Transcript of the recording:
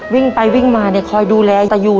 วิ่งไปวิ่งมาเนี่ยคอยดูแลตาอยู่